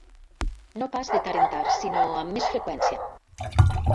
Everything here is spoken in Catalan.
No pas de tard en tard sinó amb més freqüència.